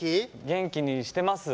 元気にしてます。